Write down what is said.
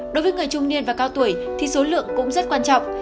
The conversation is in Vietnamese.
đối với người trung niên và cao tuổi thì số lượng cũng rất quan trọng